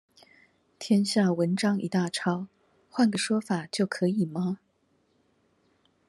天下文章一大抄，換個說法就可以嗎？